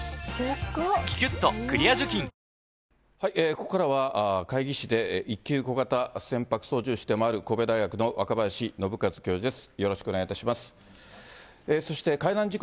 ここからは、で１級小型船舶操縦士でもある神戸大学の若林伸和教授です。